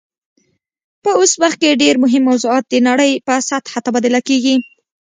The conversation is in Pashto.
په اوس وخت کې ډیر مهم موضوعات د نړۍ په سطحه تبادله کیږي